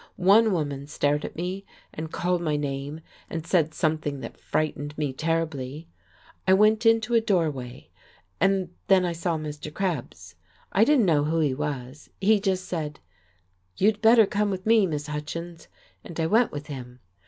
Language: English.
One woman stared at me, and called my name, and said something that frightened me terribly. I went into a doorway and then I saw Mr. Krebs. I didn't know who he was. He just said, 'You'd better come with me, Miss Hutchins,' and I went with him.